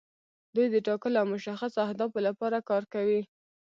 دوی د ټاکلو او مشخصو اهدافو لپاره کار کوي.